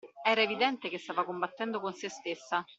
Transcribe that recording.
Era evidente che stava combattendo con se stessa.